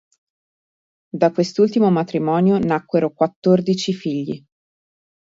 Da quest'ultimo matrimonio nacquero quattordici figli.